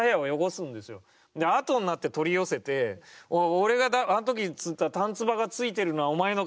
であとになって取り寄せて「おい俺があの時についたたん唾がついてるのはお前のか？」。